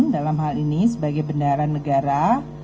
dalam hal ini sebagai bendara negara